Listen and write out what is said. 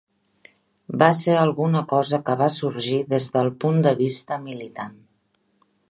Va ser alguna cosa que va sorgir des del punt de vista militant.